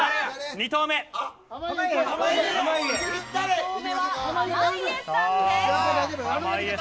２投目は濱家さんです。